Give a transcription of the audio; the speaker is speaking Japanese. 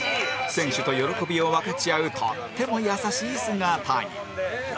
選手と喜びを分かち合うとっても優しい姿に